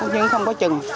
nhưng không có chừng